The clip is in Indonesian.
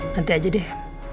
nanti aja deh